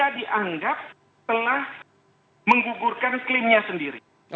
dia dianggap telah menggugurkan klaimnya sendiri